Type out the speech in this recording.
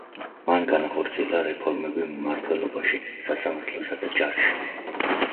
მან განახორციელა რეფორმები მმართველობაში, სასამართლოსა და ჯარში.